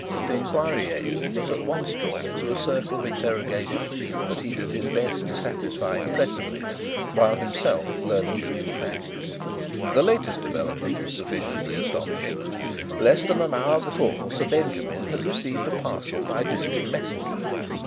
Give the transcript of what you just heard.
The inquiry agent was at once drawn into a circle of interrogation that he did his best to satisfy impressively while himself learning the new facts. The latest development was sufficiently astonishing. Less than an hour before Sir Benjamin had received a parcel by district messenger.